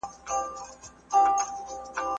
زه کولای سم منډه ووهم،